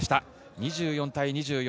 ２４対２４。